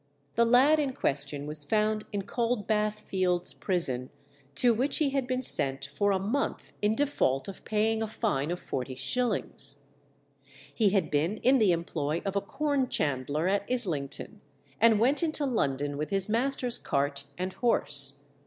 The lad in question was found in Coldbath Fields prison, to which he had been sent for a month in default of paying a fine of forty shillings. He had been in the employ of a corn chandler at Islington, and went into London with his master's cart and horse.